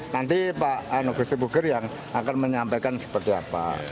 nanti pak gusti buker yang akan menyampaikan seperti apa